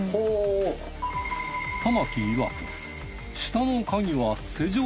玉置いわく